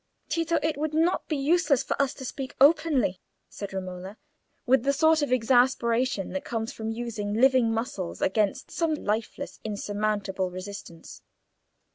"Tito, it would not be useless for us to speak openly," said Romola, with the sort of exasperation that comes from using living muscle against some lifeless insurmountable resistance.